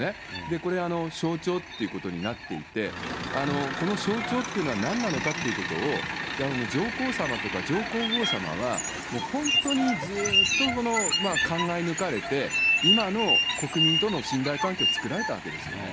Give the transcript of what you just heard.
これ、象徴ということになっていて、この象徴っていうのは何なのかということを、上皇さまとか上皇后さまは、もう本当にずっと考え抜かれて、今の国民との信頼関係を作られたわけですよね。